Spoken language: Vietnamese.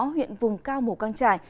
huyện vùng cao mù căng trải